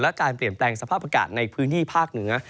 และการเปลี่ยนแปลงสภาพอากาศในพื้นที่ภาคเหนือ